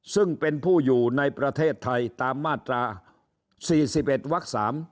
ซึ่งเป็นผู้อยู่ในประเทศไทยตามมาตรา๔๑วัก๓